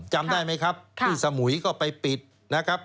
จำได้ไหมครับที่สมุยก็ไปปิดนะครับ